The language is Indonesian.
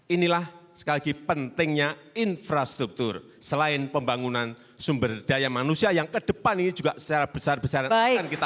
inilah sekali lagi pentingnya infrastruktur selain pembangunan sumber daya manusia yang kedepan ini juga secara besar besaran akan kita lakukan